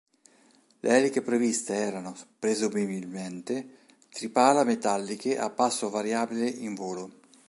Le eliche previste erano, presumibilmente, tripala metalliche a passo variabile in volo.